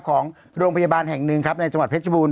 ของโรงพยาบาลแห่งหนึ่งครับในจังหวัดเพชรบูร